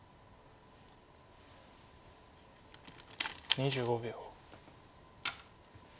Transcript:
２５秒。